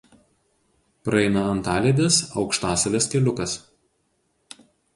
Praeina Antaliedės–Aukštasalės keliukas.